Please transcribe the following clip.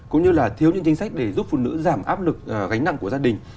cũng như là thiếu những chính sách để giúp phụ nữ giảm áp lực gánh nặng của gia đình